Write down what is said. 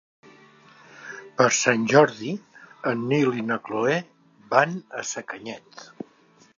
Per Sant Jordi en Nil i na Cloè van a Sacanyet.